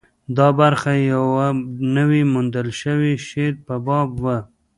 دا برخه د یوه نوي موندل شوي شعر په باب وه.